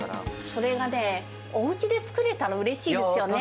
それがね、おうちで作れたらうれしいですよね。